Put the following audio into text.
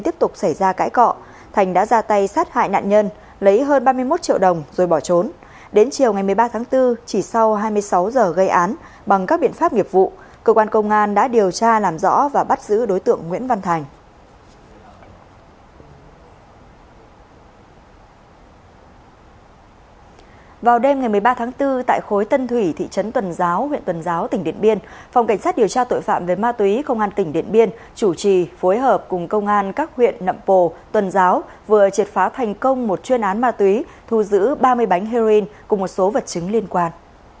phòng cảnh sát điều tra tội phạm về ma túy công an tỉnh điện biên chủ trì phối hợp cùng công an các huyện nậm pồ tuần giáo vừa triệt phá thành công một chuyên án ma túy thu giữ ba mươi bánh heroin cùng một số vật chứng liên quan